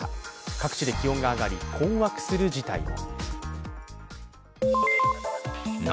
各地で気温が上がり困惑する事態も。